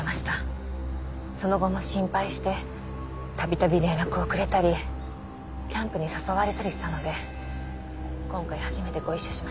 その後も心配して度々連絡をくれたりキャンプに誘われたりしたので今回初めてご一緒しました。